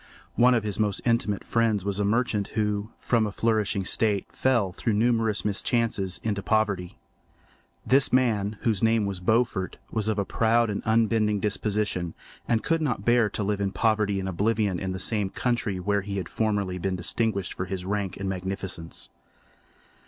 One of his most intimate friends was a merchant who, from a flourishing state, fell, through numerous mischances, into poverty. This man, whose name was Beaufort, was of a proud and unbending disposition and could not bear to live in poverty and oblivion in the same country where he had formerly been distinguished for his rank and magnificence.